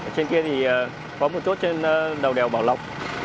trên kia thì có một chốt trên đầu đèo bảo lộc